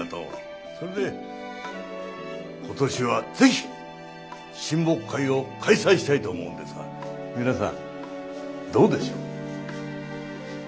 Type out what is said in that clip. それで今年はぜひ親睦会を開催したいと思うんですが皆さんどうでしょう？